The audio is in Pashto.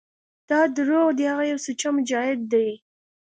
دا دروغ دي هغه يو سوچه مجاهد دى.